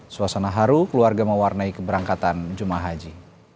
suasana haru keluarga mewarnai keberangkatan jum ah haji